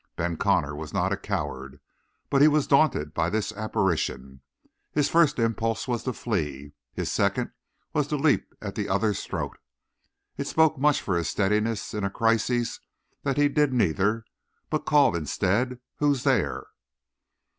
Ben Connor was not a coward, but he was daunted by this apparition. His first impulse was to flee; his second was to leap at the other's throat. It spoke much for his steadiness in a crisis that he did neither, but called instead: "Who's there?"